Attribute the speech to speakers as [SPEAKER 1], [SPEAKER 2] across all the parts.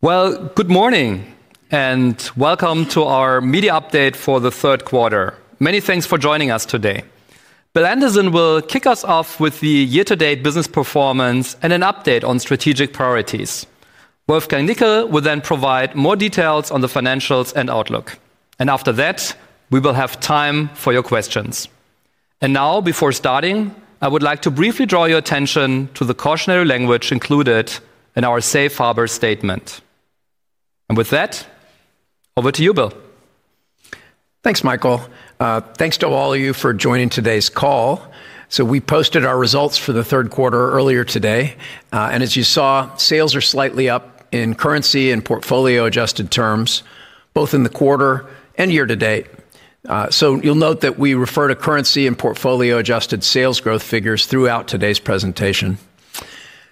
[SPEAKER 1] Good morning and welcome to our media update for the third quarter. Many thanks for joining us today. Bill Anderson will kick us off with the year-to-date business performance and an update on strategic priorities. Wolfgang Nickl will then provide more details on the financials and outlook. After that, we will have time for your questions. Before starting, I would like to briefly draw your attention to the cautionary language included in our safe harbor statement. With that, over to you, Bill.
[SPEAKER 2] Thanks, Michael. Thanks to all of you for joining today's call. We posted our results for the third quarter earlier today. As you saw, sales are slightly up in currency and portfolio-adjusted terms, both in the quarter and year-to-date. You'll note that we refer to currency and portfolio-adjusted sales growth figures throughout today's presentation.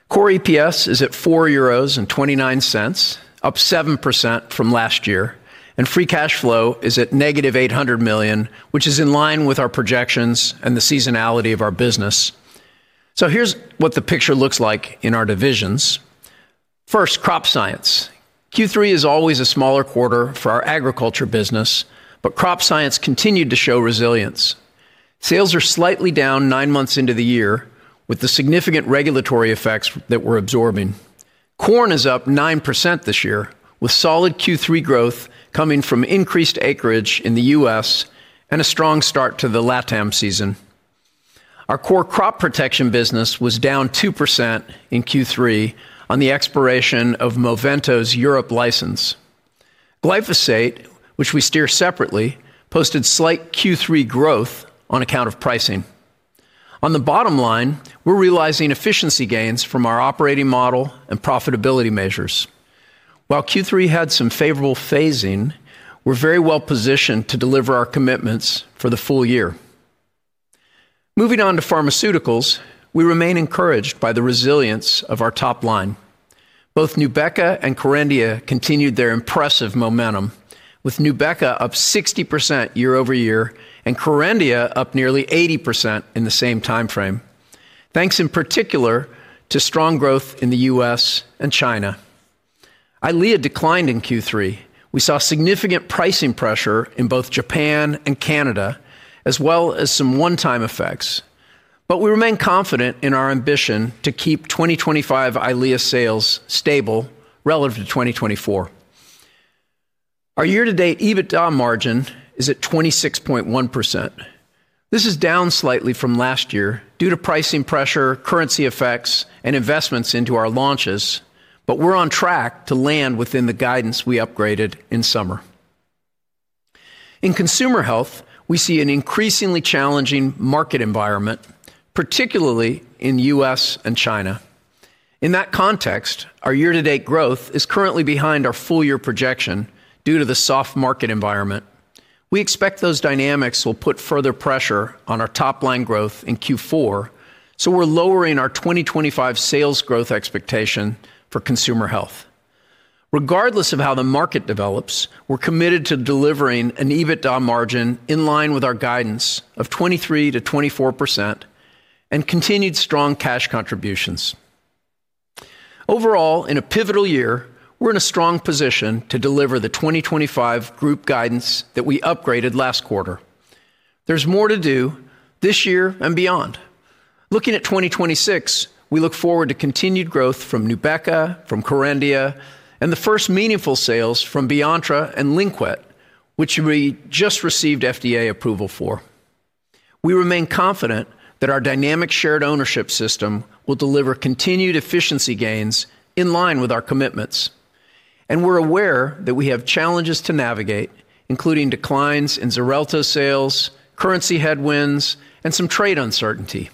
[SPEAKER 2] Core EPS is at 4.29 euros, up 7% from last year. Free cash flow is at negative 800 million, which is in line with our projections and the seasonality of our business. Here's what the picture looks like in our divisions. First, crop science. Q3 is always a smaller quarter for our agriculture business, but crop science continued to show resilience. Sales are slightly down nine months into the year, with the significant regulatory effects that we're absorbing. Corn is up 9% this year, with solid Q3 growth coming from increased acreage in the U.S. and a strong start to the Latin America season. Our core crop protection business was down 2% in Q3 on the expiration of Movento's Europe license. Glyphosate, which we steer separately, posted slight Q3 growth on account of pricing. On the bottom line, we're realizing efficiency gains from our operating model and profitability measures. While Q3 had some favorable phasing, we're very well positioned to deliver our commitments for the full year. Moving on to pharmaceuticals, we remain encouraged by the resilience of our top line. Both Nubeqa and Kerendia continued their impressive momentum, with Nubeqa up 60% year-over-year and Kerendia up nearly 80% in the same time frame, thanks in particular to strong growth in the U.S. and China. Eylea declined in Q3. We saw significant pricing pressure in both Japan and Canada, as well as some one-time effects. We remain confident in our ambition to keep 2025 Eylea sales stable relative to 2024. Our year-to-date EBITDA margin is at 26.1%. This is down slightly from last year due to pricing pressure, currency effects, and investments into our launches, but we're on track to land within the guidance we upgraded in summer. In Consumer Health, we see an increasingly challenging market environment, particularly in the U.S. and China. In that context, our year-to-date growth is currently behind our full-year projection due to the soft market environment. We expect those dynamics will put further pressure on our top-line growth in Q4, so we're lowering our 2025 sales growth expectation for Consumer Health. Regardless of how the market develops, we're committed to delivering an EBITDA margin in line with our guidance of 23%-24% and continued strong cash contributions. Overall, in a pivotal year, we're in a strong position to deliver the 2025 group guidance that we upgraded last quarter. There's more to do this year and beyond. Looking at 2026, we look forward to continued growth from Nubeqa, from Kerendia, and the first meaningful sales from Biantra and Linkwit, which we just received FDA approval for. We remain confident that our dynamic shared ownership system will deliver continued efficiency gains in line with our commitments. We're aware that we have challenges to navigate, including declines in Xarelto sales, currency headwinds, and some trade uncertainty.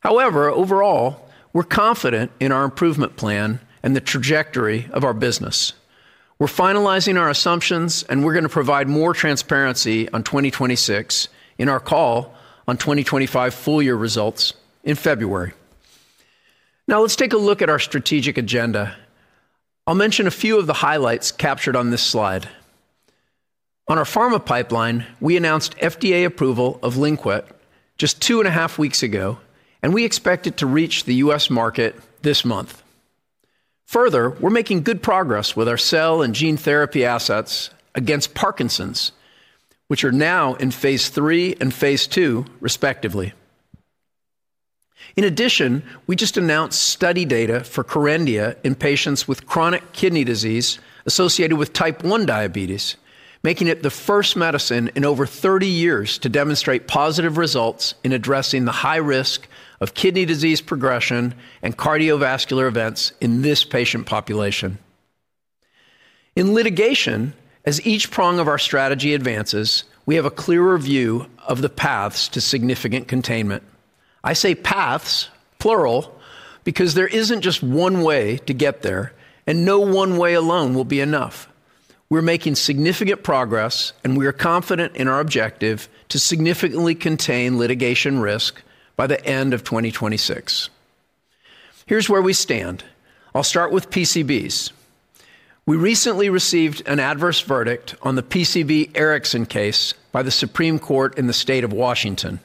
[SPEAKER 2] However, overall, we're confident in our improvement plan and the trajectory of our business. We're finalizing our assumptions, and we're going to provide more transparency on 2026 in our call on 2025 full-year results in February. Now, let's take a look at our strategic agenda. I'll mention a few of the highlights captured on this slide. On our pharma pipeline, we announced FDA approval of Linkwit just two and a half weeks ago, and we expect it to reach the U.S. market this month. Further, we're making good progress with our cell and gene therapy assets against Parkinson's, which are now in phase three and phase two, respectively. In addition, we just announced study data for Kerendia in patients with chronic kidney disease associated with type 1 diabetes, making it the first medicine in over 30 years to demonstrate positive results in addressing the high risk of kidney disease progression and cardiovascular events in this patient population. In litigation, as each prong of our strategy advances, we have a clearer view of the paths to significant containment. I say paths, plural, because there is not just one way to get there, and no one way alone will be enough. We are making significant progress, and we are confident in our objective to significantly contain litigation risk by the end of 2026. Here is where we stand. I will start with PCBs. We recently received an adverse verdict on the PCB Erickson case by the Supreme Court in the state of Washington.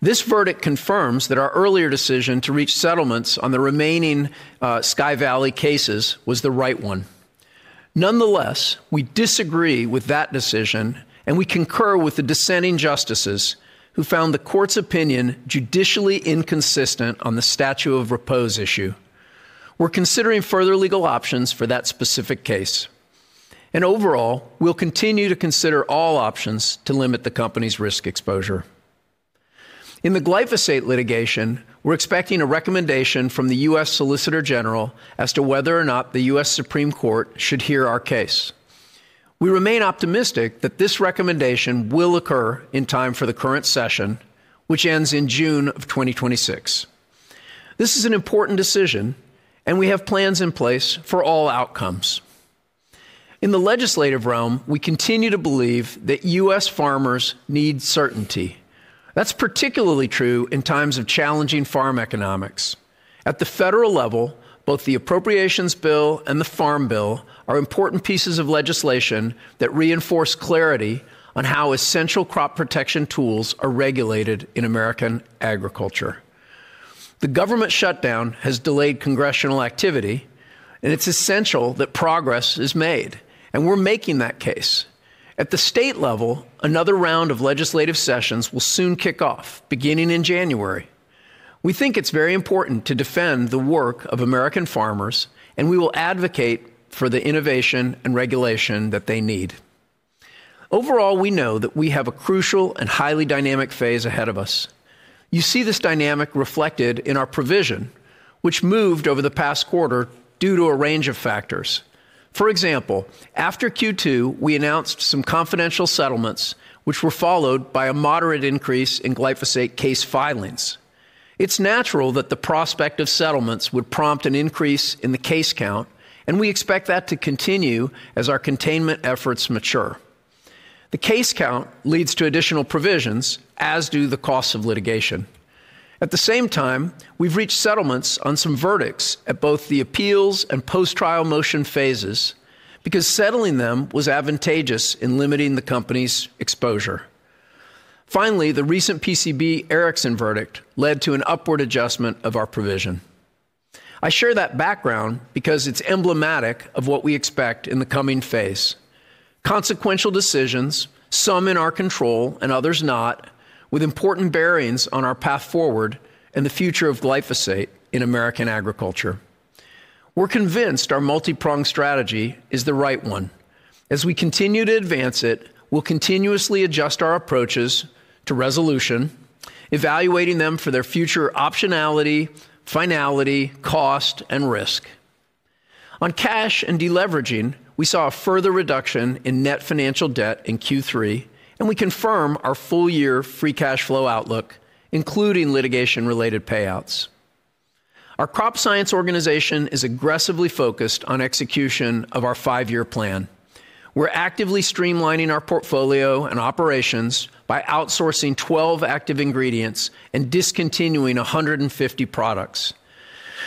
[SPEAKER 2] This verdict confirms that our earlier decision to reach settlements on the remaining Sky Valley cases was the right one. Nonetheless, we disagree with that decision, and we concur with the dissenting justices who found the court's opinion judicially inconsistent on the statute of repose issue. We are considering further legal options for that specific case. Overall, we'll continue to consider all options to limit the company's risk exposure. In the glyphosate litigation, we're expecting a recommendation from the U.S. Solicitor General as to whether or not the U.S. Supreme Court should hear our case. We remain optimistic that this recommendation will occur in time for the current session, which ends in June of 2026. This is an important decision, and we have plans in place for all outcomes. In the legislative realm, we continue to believe that U.S. farmers need certainty. That's particularly true in times of challenging farm economics. At the federal level, both the Appropriations Bill and the Farm Bill are important pieces of legislation that reinforce clarity on how essential crop protection tools are regulated in American agriculture. The government shutdown has delayed congressional activity, and it's essential that progress is made, and we're making that case. At the state level, another round of legislative sessions will soon kick off, beginning in January. We think it's very important to defend the work of American farmers, and we will advocate for the innovation and regulation that they need. Overall, we know that we have a crucial and highly dynamic phase ahead of us. You see this dynamic reflected in our provision, which moved over the past quarter due to a range of factors. For example, after Q2, we announced some confidential settlements, which were followed by a moderate increase in glyphosate case filings. It's natural that the prospect of settlements would prompt an increase in the case count, and we expect that to continue as our containment efforts mature. The case count leads to additional provisions, as do the costs of litigation. At the same time, we've reached settlements on some verdicts at both the appeals and post-trial motion phases because settling them was advantageous in limiting the company's exposure. Finally, the recent PCB Erickson verdict led to an upward adjustment of our provision. I share that background because it's emblematic of what we expect in the coming phase: consequential decisions, some in our control and others not, with important bearings on our path forward and the future of glyphosate in American agriculture. We're convinced our multi-pronged strategy is the right one. As we continue to advance it, we'll continuously adjust our approaches to resolution, evaluating them for their future optionality, finality, cost, and risk. On cash and deleveraging, we saw a further reduction in net financial debt in Q3, and we confirm our full-year free cash flow outlook, including litigation-related payouts. Our crop science organization is aggressively focused on execution of our five-year plan. We're actively streamlining our portfolio and operations by outsourcing 12 active ingredients and discontinuing 150 products.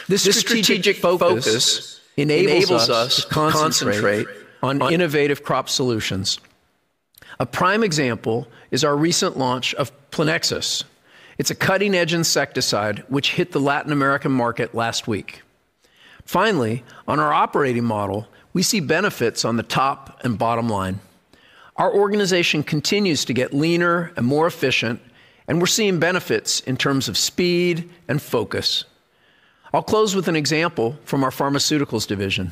[SPEAKER 2] This strategic focus enables us to concentrate on innovative crop solutions. A prime example is our recent launch of Plinexis. It's a cutting-edge insecticide which hit the Latin American market last week. Finally, on our operating model, we see benefits on the top and bottom line. Our organization continues to get leaner and more efficient, and we're seeing benefits in terms of speed and focus. I'll close with an example from our pharmaceuticals division.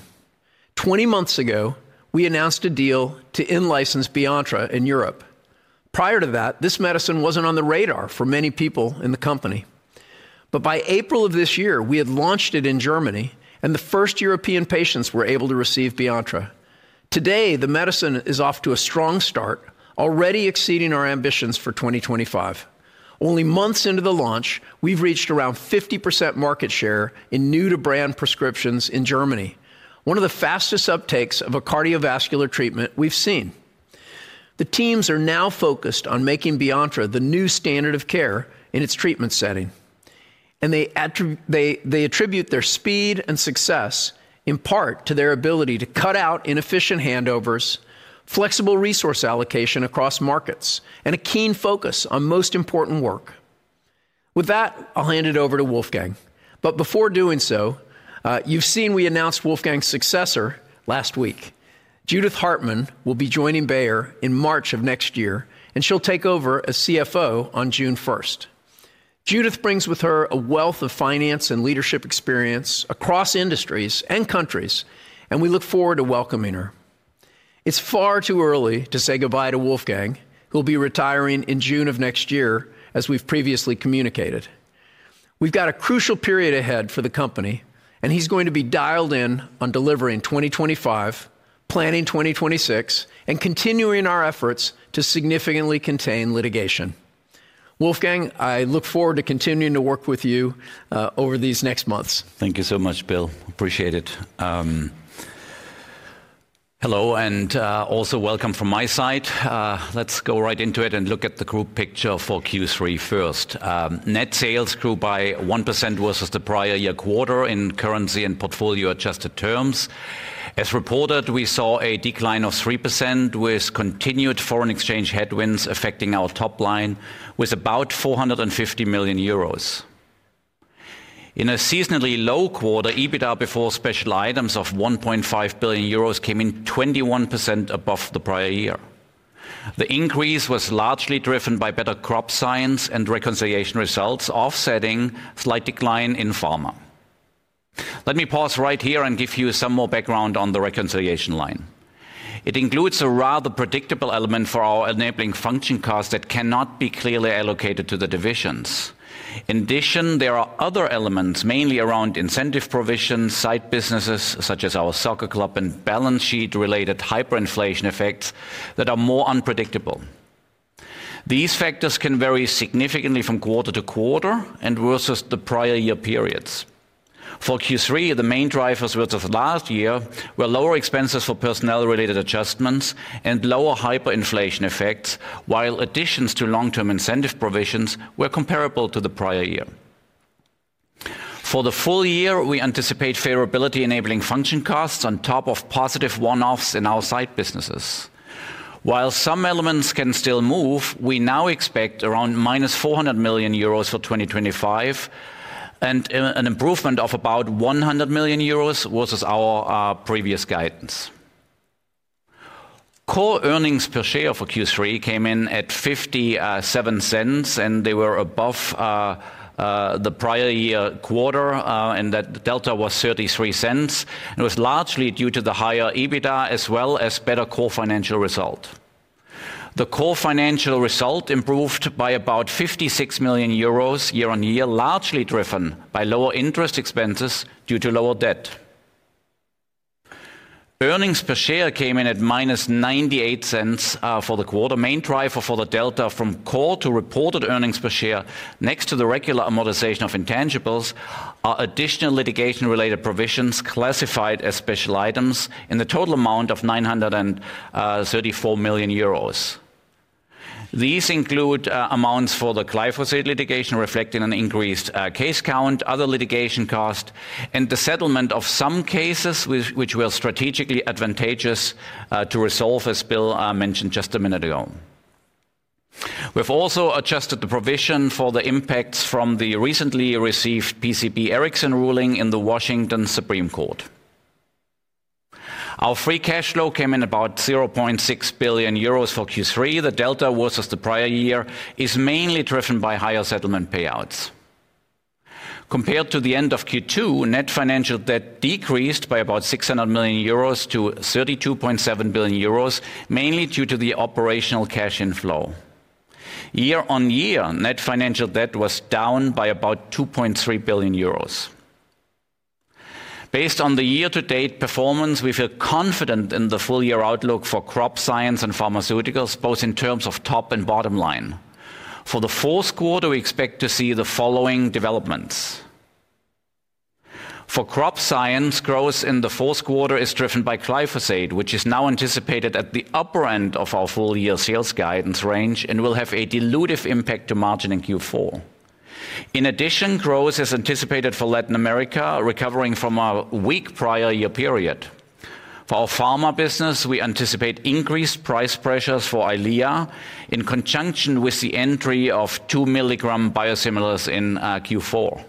[SPEAKER 2] Twenty months ago, we announced a deal to in-license Biantra in Europe. Prior to that, this medicine wasn't on the radar for many people in the company. By April of this year, we had launched it in Germany, and the first European patients were able to receive Biantra. Today, the medicine is off to a strong start, already exceeding our ambitions for 2025. Only months into the launch, we've reached around 50% market share in new-to-brand prescriptions in Germany, one of the fastest uptakes of a cardiovascular treatment we've seen. The teams are now focused on making Biantra the new standard of care in its treatment setting. They attribute their speed and success in part to their ability to cut out inefficient handovers, flexible resource allocation across markets, and a keen focus on most important work. With that, I'll hand it over to Wolfgang. Before doing so, you've seen we announced Wolfgang's successor last week. Judith Hartman will be joining Bayer in March of next year, and she'll take over as CFO on June 1. Judith brings with her a wealth of finance and leadership experience across industries and countries, and we look forward to welcoming her. It's far too early to say goodbye to Wolfgang, who'll be retiring in June of next year, as we've previously communicated. We've got a crucial period ahead for the company, and he's going to be dialed in on delivering 2025, planning 2026, and continuing our efforts to significantly contain litigation. Wolfgang, I look forward to continuing to work with you over these next months.
[SPEAKER 3] Thank you so much, Bill. Appreciate it. Hello, and also welcome from my side. Let's go right into it and look at the group picture for Q3 first. Net sales grew by 1% versus the prior year quarter in currency and portfolio-adjusted terms. As reported, we saw a decline of 3%, with continued foreign exchange headwinds affecting our top line with about 450 million euros. In a seasonally low quarter, EBITDA before special items of 1.5 billion euros came in 21% above the prior year. The increase was largely driven by better crop science and reconciliation results, offsetting slight decline in pharma. Let me pause right here and give you some more background on the reconciliation line. It includes a rather predictable element for our enabling function costs that cannot be clearly allocated to the divisions. In addition, there are other elements, mainly around incentive provisions, side businesses such as our soccer club, and balance sheet-related hyperinflation effects that are more unpredictable. These factors can vary significantly from quarter to quarter and versus the prior year periods. For Q3, the main drivers versus last year were lower expenses for personnel-related adjustments and lower hyperinflation effects, while additions to long-term incentive provisions were comparable to the prior year. For the full year, we anticipate favorability-enabling function costs on top of positive one-offs in our side businesses. While some elements can still move, we now expect around 400 million euros for 2025 and an improvement of about 100 million euros versus our previous guidance. Core earnings per share for Q3 came in at 0.57, and they were above the prior year quarter, and that delta was 0.33. It was largely due to the higher EBITDA as well as better core financial result. The core financial result improved by about 56 million euros year-on-year, largely driven by lower interest expenses due to lower debt. Earnings per share came in at minus 0.98 for the quarter. Main driver for the delta from core to reported earnings per share, next to the regular amortization of intangibles, are additional litigation-related provisions classified as special items in the total amount of 934 million euros. These include amounts for the glyphosate litigation reflecting an increased case count, other litigation costs, and the settlement of some cases, which were strategically advantageous to resolve, as Bill mentioned just a minute ago. We have also adjusted the provision for the impacts from the recently received PCB Erickson ruling in the Washington Supreme Court. Our free cash flow came in about 0.6 billion euros for Q3. The delta versus the prior year is mainly driven by higher settlement payouts. Compared to the end of Q2, net financial debt decreased by about 600 million euros to 32.7 billion euros, mainly due to the operational cash inflow. Year-on-year, net financial debt was down by about 2.3 billion euros. Based on the year-to-date performance, we feel confident in the full-year outlook for Crop Science and Pharmaceuticals, both in terms of top and bottom line. For the fourth quarter, we expect to see the following developments. For Crop Science, growth in the fourth quarter is driven by glyphosate, which is now anticipated at the upper end of our full-year sales guidance range and will have a dilutive impact to margin in Q4. In addition, growth is anticipated for Latin America, recovering from a weak prior year period. For our Pharma business, we anticipate increased price pressures for Eylea in conjunction with the entry of 2-milligram biosimilars in Q4.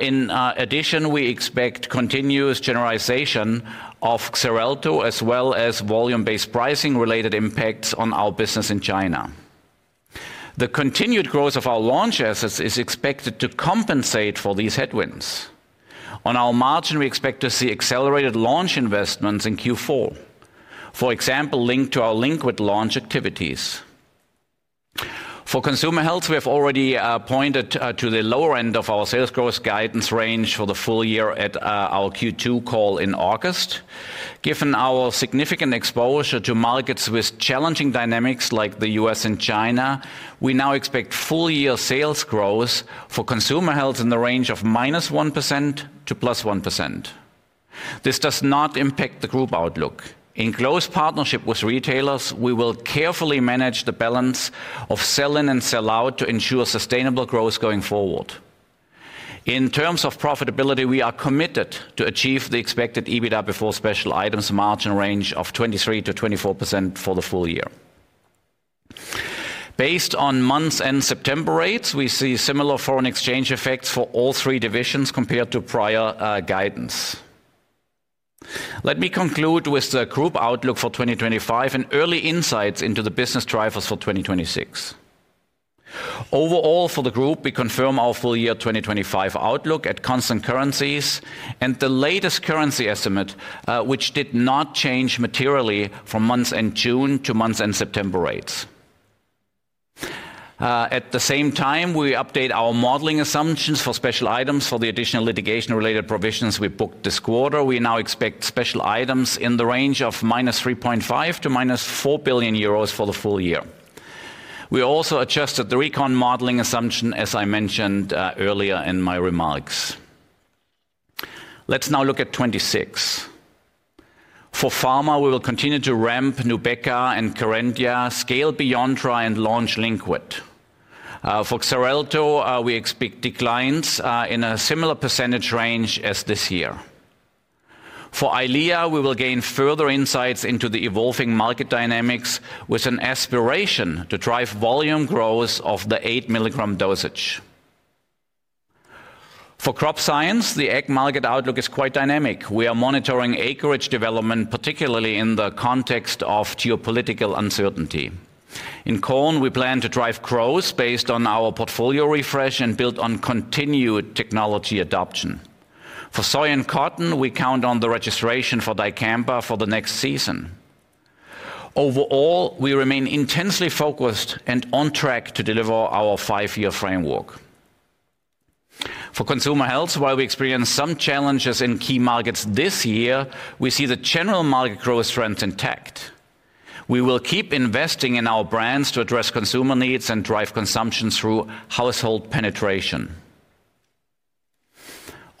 [SPEAKER 3] In addition, we expect continuous generalization of Xarelto, as well as volume-based pricing-related impacts on our business in China. The continued growth of our launch assets is expected to compensate for these headwinds. On our margin, we expect to see accelerated launch investments in Q4, for example, linked to our liquid launch activities. For consumer health, we have already pointed to the lower end of our sales growth guidance range for the full year at our Q2 call in August. Given our significant exposure to markets with challenging dynamics like the U.S. and China, we now expect full-year sales growth for consumer health in the range of -1% to 1%. This does not impact the group outlook. In close partnership with retailers, we will carefully manage the balance of sell-in and sell-out to ensure sustainable growth going forward. In terms of profitability, we are committed to achieve the expected EBITDA before special items margin range of 23%-24% for the full year. Based on months' end September rates, we see similar foreign exchange effects for all three divisions compared to prior guidance. Let me conclude with the group outlook for 2025 and early insights into the business drivers for 2026. Overall, for the group, we confirm our full-year 2025 outlook at constant currencies and the latest currency estimate, which did not change materially from months' end June to months' end September rates. At the same time, we update our modeling assumptions for special items for the additional litigation-related provisions we booked this quarter. We now expect special items in the range of -3.5 billion to -4 billion euros for the full year. We also adjusted the recon modeling assumption, as I mentioned earlier in my remarks. Let's now look at 2026. For pharma, we will continue to ramp Nubeqa and Kerendia, scale Biantra, and launch Linkwit. For Xarelto, we expect declines in a similar % range as this year. For Eylea, we will gain further insights into the evolving market dynamics with an aspiration to drive volume growth of the 8-milligram dosage. For crop science, the ag market outlook is quite dynamic. We are monitoring acreage development, particularly in the context of geopolitical uncertainty. In corn, we plan to drive growth based on our portfolio refresh and build on continued technology adoption. For soy and cotton, we count on the registration for Dicamba for the next season. Overall, we remain intensely focused and on track to deliver our five-year framework. For consumer health, while we experience some challenges in key markets this year, we see the general market growth trends intact. We will keep investing in our brands to address consumer needs and drive consumption through household penetration.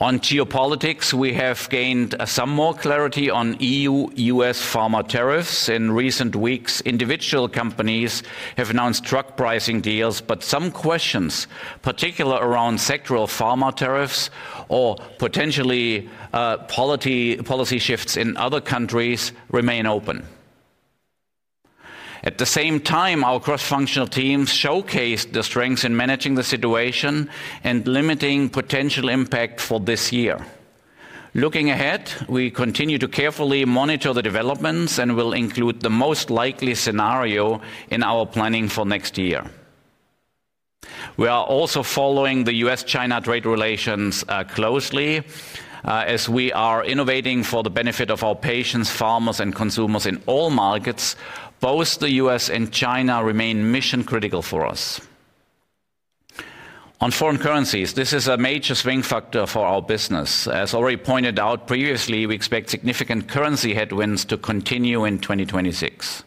[SPEAKER 3] On geopolitics, we have gained some more clarity on EU-U.S. pharma tariffs. In recent weeks, individual companies have announced truck pricing deals, but some questions, particularly around sectoral pharma tariffs or potentially policy shifts in other countries, remain open. At the same time, our cross-functional teams showcased the strengths in managing the situation and limiting potential impact for this year. Looking ahead, we continue to carefully monitor the developments and will include the most likely scenario in our planning for next year. We are also following the U.S.-China trade relations closely. As we are innovating for the benefit of our patients, farmers, and consumers in all markets, both the U.S. and China remain mission-critical for us. On foreign currencies, this is a major swing factor for our business. As already pointed out previously, we expect significant currency headwinds to continue in 2026.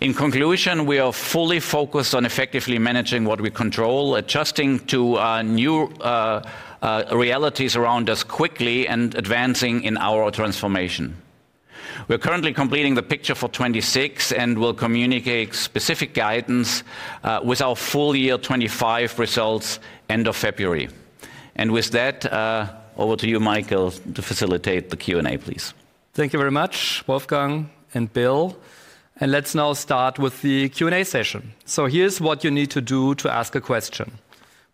[SPEAKER 3] In conclusion, we are fully focused on effectively managing what we control, adjusting to new realities around us quickly, and advancing in our transformation. We're currently completing the picture for 2026 and will communicate specific guidance with our full-year 2025 results end of February. With that, over to you, Michael, to facilitate the Q&A, please. Thank you very much, Wolfgang and Bill. Let's now start with the Q&A session. Here's what you need to do to ask a question.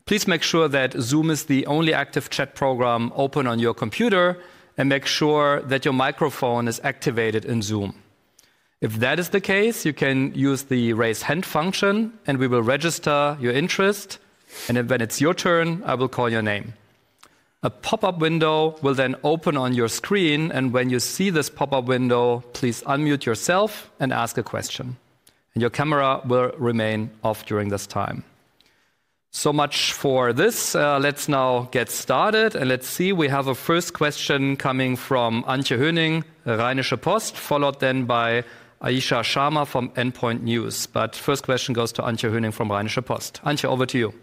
[SPEAKER 3] Please make sure that Zoom is the only active chat program open on your computer and make sure that your microphone is activated in Zoom. If that is the case, you can use the raise hand function and we will register your interest. When it's your turn, I will call your name. A pop-up window will then open on your screen. When you see this pop-up window, please unmute yourself and ask a question. Your camera will remain off during this time. Much for this. Let's now get started and let's see. We have a first question coming from Antje Höning, Rheinische Post, followed then by Aisha Sharma from Endpoint News. First question goes to Antje Höning from Rheinische Post. Antje, over to you.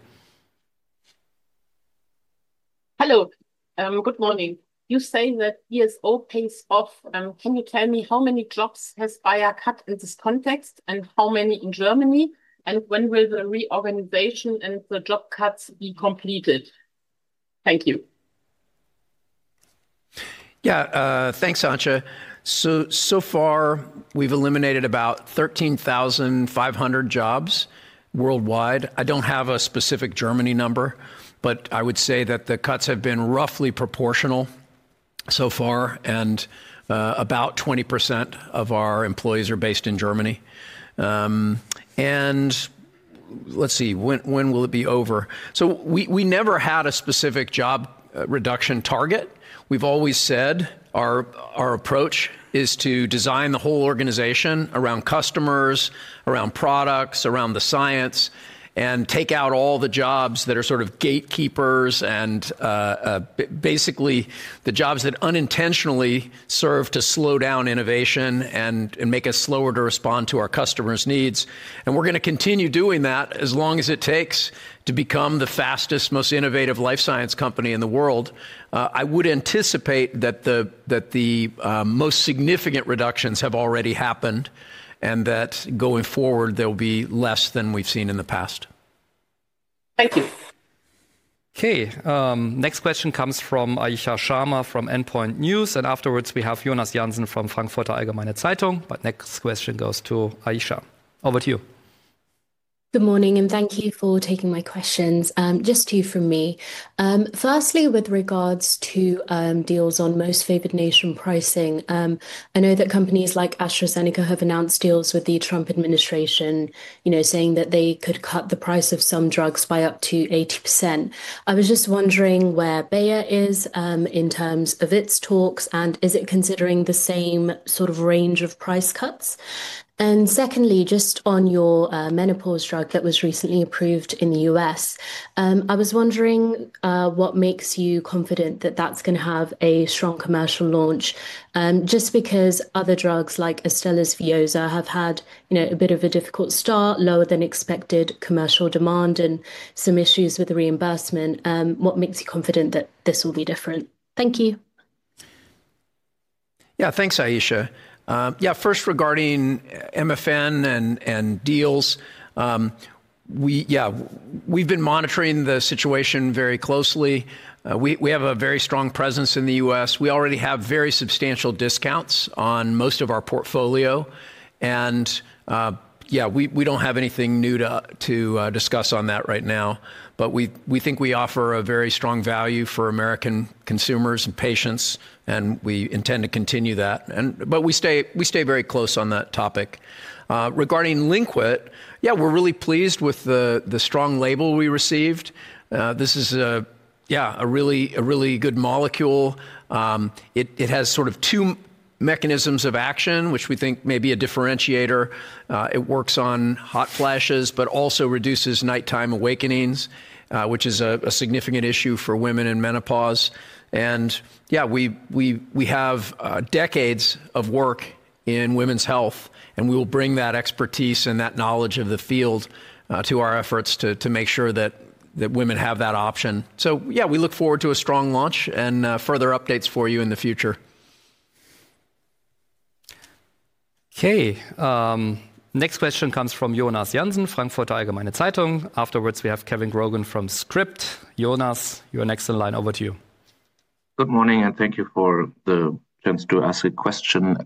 [SPEAKER 4] Hello, good morning. You say that ESO pays off. Can you tell me how many jobs has Bayer cut in this context and how many in Germany? When will the reorganization and the job cuts be completed? Thank you.
[SPEAKER 2] Yeah, thanks, Antje. So far, we've eliminated about 13,500 jobs worldwide. I don't have a specific Germany number, but I would say that the cuts have been roughly proportional so far, and about 20% of our employees are based in Germany. Let's see, when will it be over? We never had a specific job reduction target. We've always said our approach is to design the whole organization around customers, around products, around the science, and take out all the jobs that are sort of gatekeepers and basically the jobs that unintentionally serve to slow down innovation and make us slower to respond to our customers' needs. We're going to continue doing that as long as it takes to become the fastest, most innovative life science company in the world. I would anticipate that the most significant reductions have already happened and that going forward, there will be less than we've seen in the past.
[SPEAKER 4] Thank you.
[SPEAKER 1] Next question comes from Ayisha Sharma from Endpoint News. Afterwards, we have Jonas Jansen from Frankfurter Allgemeine Zeitung. Next question goes to Ayisha. Over to you.
[SPEAKER 5] Good morning and thank you for taking my questions. Just two from me. Firstly, with regards to deals on most favored nation pricing, I know that companies like AstraZeneca have announced deals with the Trump administration, saying that they could cut the price of some drugs by up to 80%. I was just wondering where Bayer is in terms of its talks and is it considering the same sort of range of price cuts? Secondly, just on your menopause drug that was recently approved in the U.S., I was wondering what makes you confident that that's going to have a strong commercial launch just because other drugs like Astellas Veozah have had a bit of a difficult start, lower than expected commercial demand, and some issues with the reimbursement. What makes you confident that this will be different? Thank you.
[SPEAKER 2] Yeah, thanks, Ayisha. Yeah, first regarding MFN and deals, yeah, we've been monitoring the situation very closely. We have a very strong presence in the U.S. We already have very substantial discounts on most of our portfolio. Yeah, we don't have anything new to discuss on that right now, but we think we offer a very strong value for American consumers and patients, and we intend to continue that. We stay very close on that topic. Regarding Linkwit, yeah, we're really pleased with the strong label we received. This is a really good molecule. It has sort of two mechanisms of action, which we think may be a differentiator. It works on hot flashes, but also reduces nighttime awakenings, which is a significant issue for women in menopause. Yeah, we have decades of work in women's health, and we will bring that expertise and that knowledge of the field to our efforts to make sure that women have that option. Yeah, we look forward to a strong launch and further updates for you in the future.
[SPEAKER 1] Okay, next question comes from Jonas Jansen, Frankfurter Allgemeine Zeitung. Afterwards, we have Kevin Grogan from Scrip. Jonas, you're next in line. Over to you.
[SPEAKER 6] Good morning and thank you for the chance to ask a question.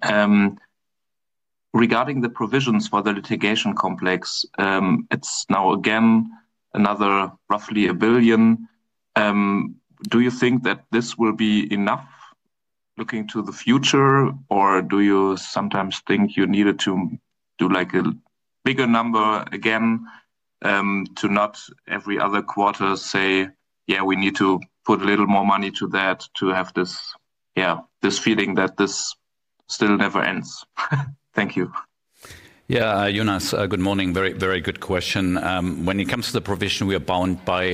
[SPEAKER 6] Regarding the provisions for the litigation complex, it's now again another roughly $1 billion. Do you think that this will be enough looking to the future, or do you sometimes think you needed to do a bigger number again to not every other quarter say, yeah, we need to put a little more money to that to have this feeling that this still never ends? Thank you.
[SPEAKER 2] Yeah, Jonas, good morning. Very good question. When it comes to the provision, we are bound by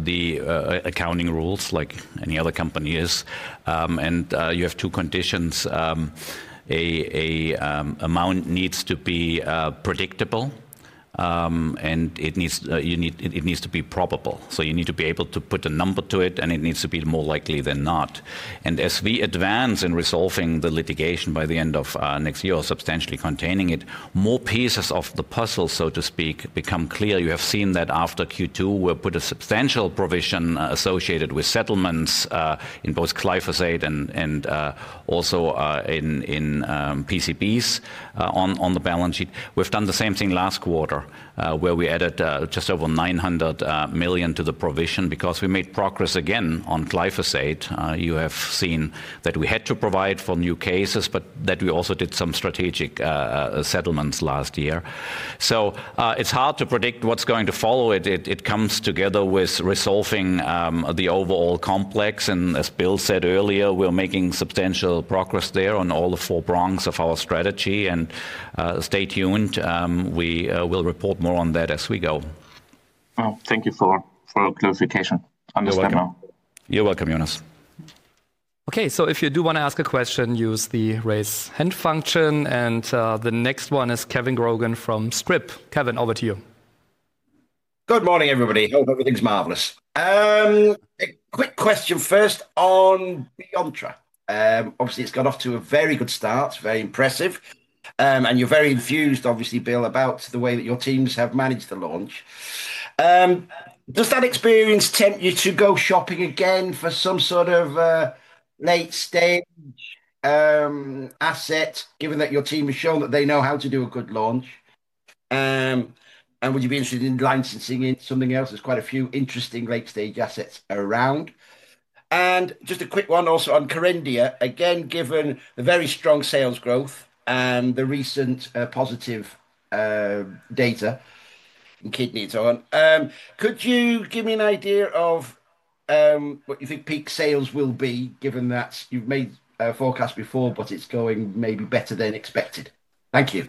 [SPEAKER 2] the accounting rules like any other company is. You have two conditions. Amount needs to be predictable, and it needs to be probable. You need to be able to put a number to it, and it needs to be more likely than not. As we advance in resolving the litigation by the end of next year or substantially containing it, more pieces of the puzzle, so to speak, become clear. You have seen that after Q2, we've put a substantial provision associated with settlements in both glyphosate and also in PCBs on the balance sheet. We've done the same thing last quarter, where we added just over 900 million to the provision because we made progress again on glyphosate. You have seen that we had to provide for new cases, but that we also did some strategic settlements last year. It is hard to predict what's going to follow. It comes together with resolving the overall complex. As Bill said earlier, we're making substantial progress there on all four prongs of our strategy. Stay tuned. We will report more on that as we go.
[SPEAKER 6] Thank you for the clarification. Understand now.
[SPEAKER 2] You're welcome, Jonas.
[SPEAKER 3] Okay, if you do want to ask a question, use the raise hand function. The next one is Kevin Grogan from Scrip. Kevin, over to you.
[SPEAKER 7] Good morning, everybody. I hope everything's marvelous. A quick question first on Biantra. Obviously, it's got off to a very good start. It's very impressive. And you're very enthused, obviously, Bill, about the way that your teams have managed the launch. Does that experience tempt you to go shopping again for some sort of late-stage asset, given that your team has shown that they know how to do a good launch? Would you be interested in licensing it? Something else. There's quite a few interesting late-stage assets around. A quick one also on Kerendia. Again, given the very strong sales growth and the recent positive data in kidney and so on, could you give me an idea of what you think peak sales will be, given that you've made a forecast before, but it's going maybe better than expected? Thank you.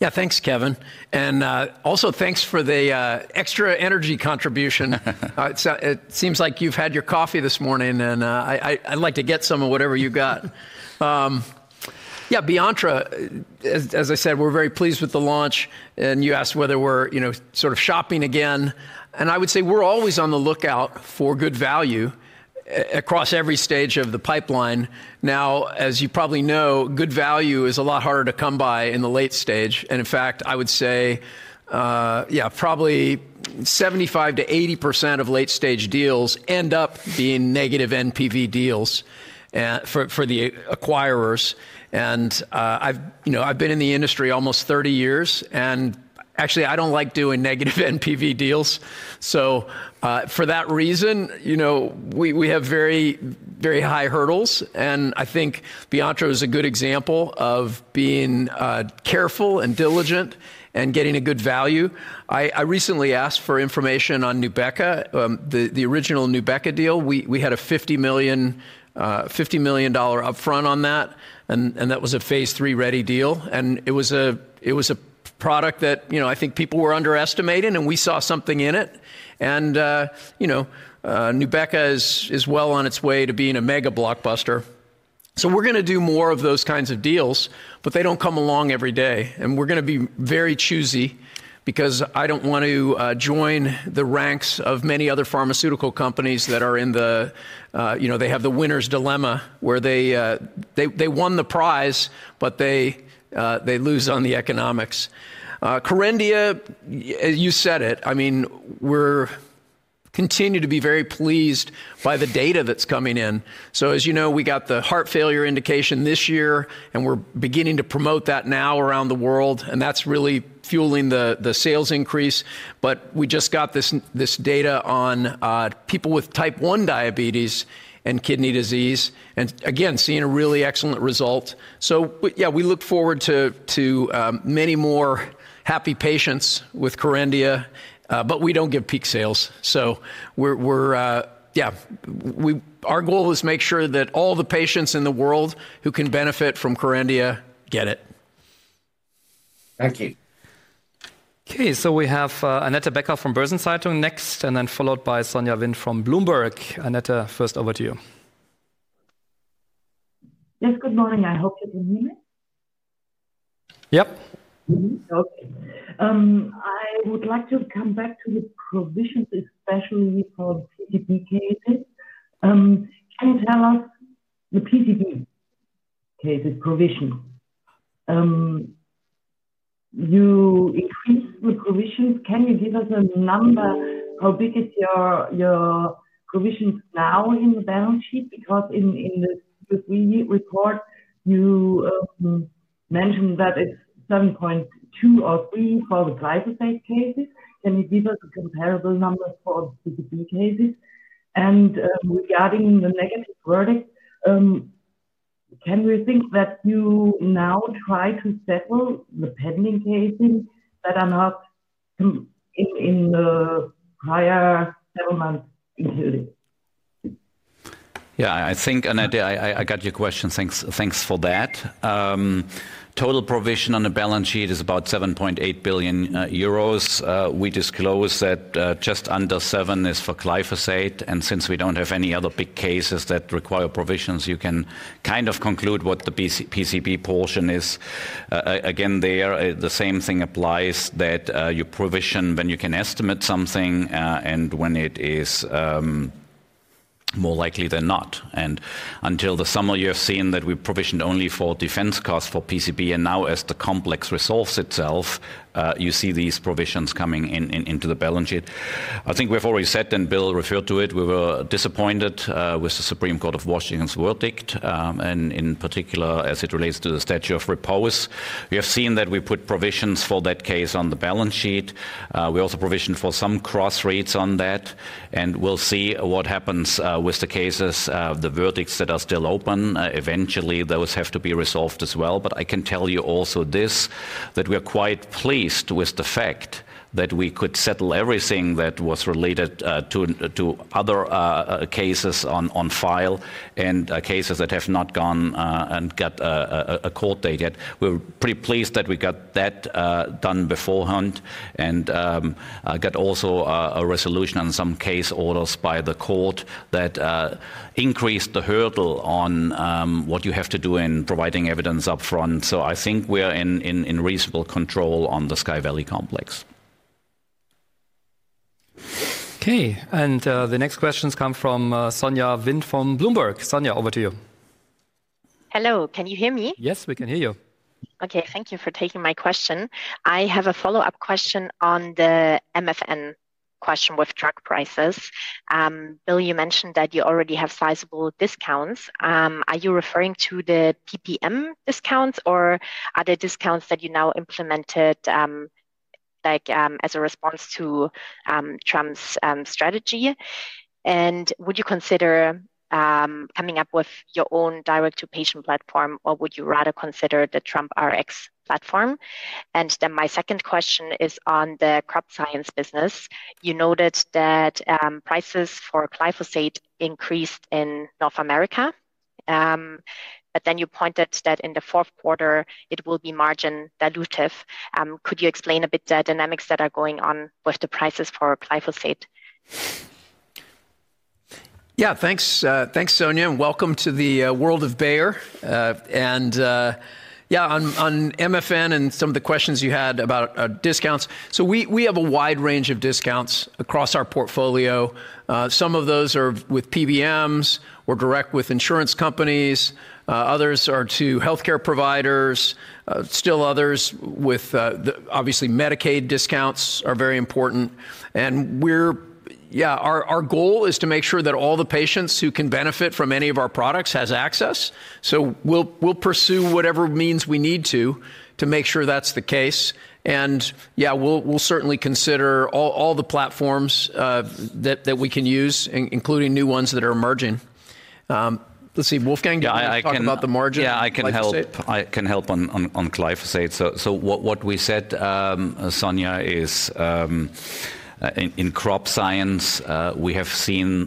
[SPEAKER 2] Yeah, thanks, Kevin. Also, thanks for the extra energy contribution. It seems like you've had your coffee this morning, and I'd like to get some of whatever you got. Yeah, Biantra, as I said, we're very pleased with the launch. You asked whether we're sort of shopping again. I would say we're always on the lookout for good value across every stage of the pipeline. Now, as you probably know, good value is a lot harder to come by in the late stage. In fact, I would say, yeah, probably 75%-80% of late-stage deals end up being negative NPV deals for the acquirers. I've been in the industry almost 30 years, and actually, I do not like doing negative NPV deals. For that reason, we have very high hurdles. I think Biantra is a good example of being careful and diligent and getting a good value. I recently asked for information on Nubeqa, the original Nubeqa deal. We had a $50 million upfront on that, and that was a phase three ready deal. It was a product that I think people were underestimating, and we saw something in it. Nubeqa is well on its way to being a mega blockbuster. We are going to do more of those kinds of deals, but they do not come along every day. We are going to be very choosy because I do not want to join the ranks of many other pharmaceutical companies that are in the, they have the winner's dilemma where they won the prize, but they lose on the economics. Kerendia, you said it. I mean, we are continuing to be very pleased by the data that is coming in. As you know, we got the heart failure indication this year, and we're beginning to promote that now around the world. That's really fueling the sales increase. We just got this data on people with type 1 diabetes and kidney disease and, again, seeing a really excellent result. Yeah, we look forward to many more happy patients with Kerendia, but we don't give peak sales. Yeah, our goal is to make sure that all the patients in the world who can benefit from Kerendia get it.
[SPEAKER 7] Thank you.
[SPEAKER 3] Okay, we have Anette Becker from Börsen Zeitung next, and then followed by Sonja Wind from Bloomberg. Anette, first, over to you.
[SPEAKER 8] Yes, good morning. I hope you can hear me.
[SPEAKER 3] Yep.
[SPEAKER 8] Okay. I would like to come back to the provisions, especially for PCB cases. Can you tell us the PCB cases provision? To Increased the provisions. Can you give us a number? How big is your provisions now in the balance sheet? Because in the Q3 report, you mentioned that it's 7.2 billion or 7.3 billion for the Glyphosate cases. Can you give us a comparable number for the PCB cases? Regarding the negative verdict, can we think that you now try to settle the pending cases that are not in the prior several months included?
[SPEAKER 2] Yeah, I think, Anette, I got your question. Thanks for that. Total provision on the balance sheet is about 7.8 billion euros. We disclose that just under 7 billion is for Glyphosate. Since we do not have any other big cases that require provisions, you can kind of conclude what the PCB portion is. Again, there, the same thing applies that you provision when you can estimate something and when it is more likely than not. Until the summer, you have seen that we provisioned only for defense costs for PCB. Now, as the complex resolves itself, you see these provisions coming into the balance sheet. I think we have already said, and Bill referred to it. We were disappointed with the Supreme Court of Washington's verdict, and in particular, as it relates to the statute of repose. We have seen that we put provisions for that case on the balance sheet. We also provisioned for some cross rates on that. We will see what happens with the cases, the verdicts that are still open. Eventually, those have to be resolved as well. I can tell you also this: we are quite pleased with the fact that we could settle everything that was related to other cases on file and cases that have not gone and got a court date yet. We're pretty pleased that we got that done beforehand and got also a resolution on some case orders by the court that increased the hurdle on what you have to do in providing evidence upfront. I think we are in reasonable control on the Sky Valley complex.
[SPEAKER 3] Okay, the next questions come from Sonja Wind from Bloomberg. Sonja, over to you.
[SPEAKER 9] Hello, can you hear me?
[SPEAKER 3] Yes, we can hear you.
[SPEAKER 9] Okay, thank you for taking my question. I have a follow-up question on the MFN question with drug prices. Bill, you mentioned that you already have sizable discounts. Are you referring to the PPM discounts, or are there discounts that you now implemented as a response to Trump's strategy? Would you consider coming up with your own direct-to-patient platform, or would you rather consider the Trump RX platform? Then my second question is on the crop science business. You noted that prices for Glyphosate increased in North America, but you pointed out that in the fourth quarter, it will be margin dilutive. Could you explain a bit the dynamics that are going on with the prices for Glyphosate?
[SPEAKER 2] Yeah, thanks, Sonja. Welcome to the world of Bayer. Yeah, on MFN and some of the questions you had about discounts, we have a wide range of discounts across our portfolio. Some of those are with PBMs or direct with insurance companies. Others are to healthcare providers. Still others with, obviously, Medicaid discounts are very important. Our goal is to make sure that all the patients who can benefit from any of our products have access. We will pursue whatever means we need to to make sure that's the case. Yeah, we'll certainly consider all the platforms that we can use, including new ones that are emerging. Let's see, Wolfgang, you want to talk about the margin?
[SPEAKER 3] Yeah, I can help on Glyphosate. What we said, Sonja, is in crop science, we have seen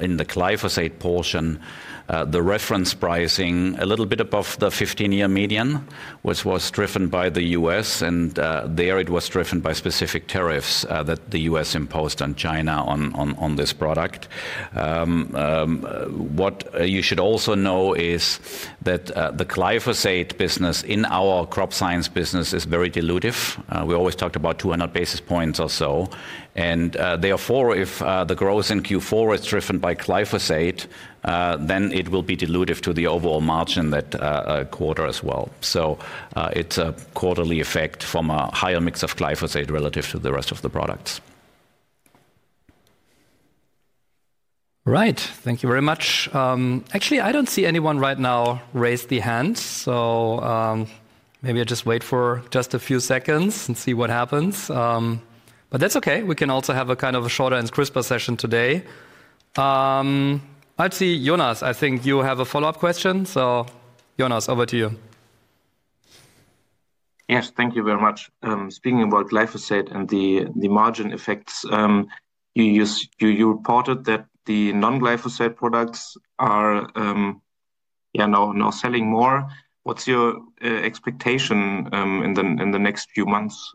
[SPEAKER 3] in the Glyphosate portion, the reference pricing a little bit above the 15-year median, which was driven by the U.S. There, it was driven by specific tariffs that the U.S. imposed on China on this product. What you should also know is that the Glyphosate business in our crop science business is very dilutive. We always talked about 200 basis points or so. Therefore, if the growth in Q4 is driven by Glyphosate, then it will be dilutive to the overall margin that quarter as well. It's a quarterly effect from a higher mix of Glyphosate relative to the rest of the products.
[SPEAKER 2] Right, thank you very much. Actually, I don't see anyone right now raise the hand. Maybe I'll just wait for a few seconds and see what happens. That's okay. We can also have a kind of a shorter and crisper session today. Actually, Jonas, I think you have a follow-up question. Jonas, over to you.
[SPEAKER 6] Yes, thank you very much. Speaking about Glyphosate and the margin effects, you reported that the non-Glyphosate products are now selling more. What's your expectation in the next few months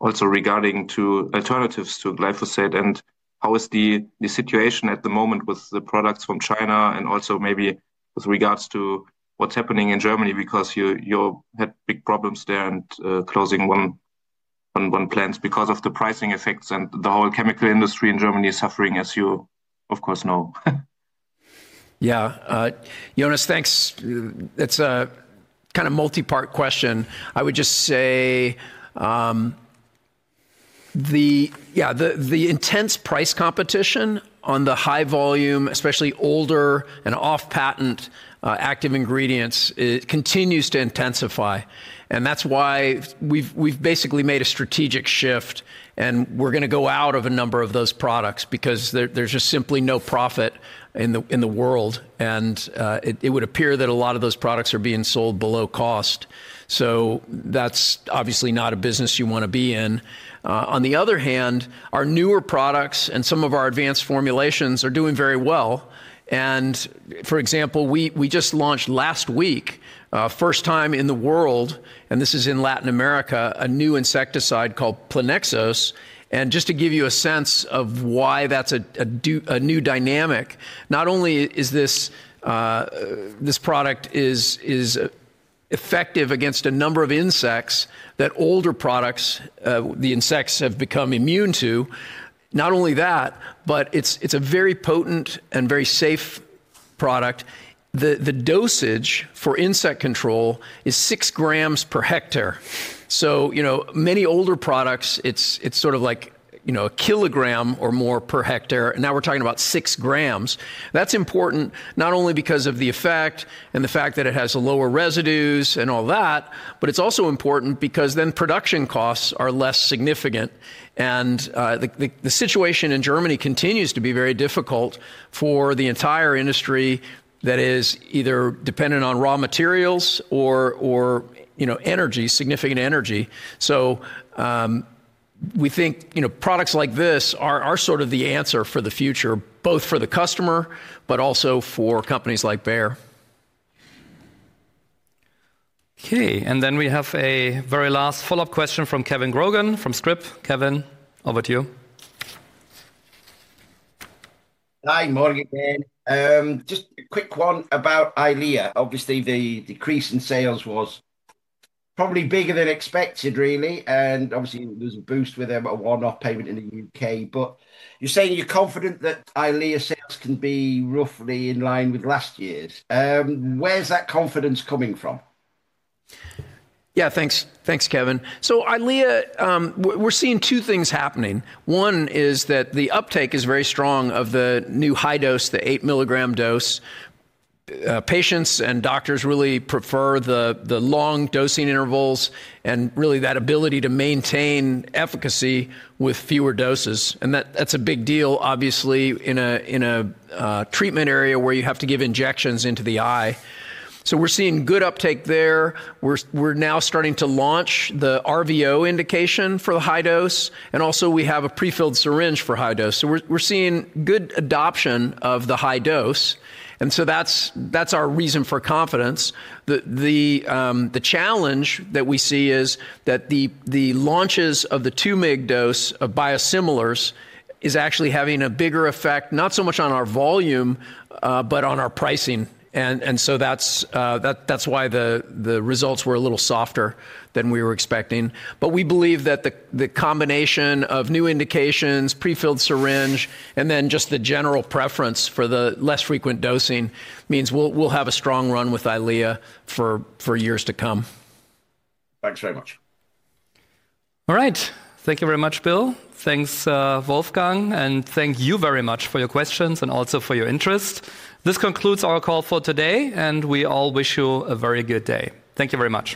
[SPEAKER 6] also regarding alternatives to Glyphosate? How is the situation at the moment with the products from China and also maybe with regards to what's happening in Germany? Because you had big problems there and closing one plant because of the pricing effects and the whole chemical industry in Germany suffering, as you, of course, know.
[SPEAKER 2] Yeah, Jonas, thanks. That's a kind of multi-part question. I would just say, yeah, the intense price competition on the high volume, especially older and off-patent active ingredients, continues to intensify. That's why we've basically made a strategic shift. We're going to go out of a number of those products because there's just simply no profit in the world. It would appear that a lot of those products are being sold below cost. That's obviously not a business you want to be in. On the other hand, our newer products and some of our advanced formulations are doing very well. For example, we just launched last week, first time in the world, and this is in Latin America, a new insecticide called Plinexis. Just to give you a sense of why that's a new dynamic, not only is this product effective against a number of insects that older products, the insects, have become immune to, not only that, but it's a very potent and very safe product. The dosage for insect control is 6 grams per hectare. Many older products, it's sort of like a kilogram or more per hectare. Now we're talking about 6 grams. That's important not only because of the effect and the fact that it has lower residues and all that, but it's also important because then production costs are less significant. The situation in Germany continues to be very difficult for the entire industry that is either dependent on raw materials or significant energy. We think products like this are sort of the answer for the future, both for the customer but also for companies like Bayer.
[SPEAKER 3] Okay, we have a very last follow-up question from Kevin Grogan from Scrip. Kevin, over to you.
[SPEAKER 7] Hi, Morgan. Just a quick one about Eylea. Obviously, the decrease in sales was probably bigger than expected, really. Obviously, there was a boost with a one-off payment in the U.K. You are saying you are confident that Eylea's sales can be roughly in line with last year's. Where is that confidence coming from?
[SPEAKER 2] Yeah, thanks, Kevin. Eylea, we are seeing two things happening. One is that the uptake is very strong of the new high dose, the 8-milligram dose. Patients and doctors really prefer the long dosing intervals and really that ability to maintain efficacy with fewer doses. That is a big deal, obviously, in a treatment area where you have to give injections into the eye. We are seeing good uptake there. We are now starting to launch the RVO indication for the high dose. Also, we have a prefilled syringe for high dose. We are seeing good adoption of the high dose. That is our reason for confidence. The challenge that we see is that the launches of the 2 mg dose of biosimilars is actually having a bigger effect, not so much on our volume, but on our pricing. That is why the results were a little softer than we were expecting. We believe that the combination of new indications, prefilled syringe, and then just the general preference for the less frequent dosing means we'll have a strong run with Eylea for years to come.
[SPEAKER 7] Thanks very much.
[SPEAKER 3] All right, thank you very much, Bill.
[SPEAKER 2] Thanks, Wolfgang. Thank you very much for your questions and also for your interest. This concludes our call for today. We all wish you a very good day. Thank you very much.